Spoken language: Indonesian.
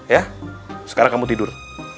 ya sekarang kamu tidur